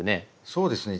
そうですね。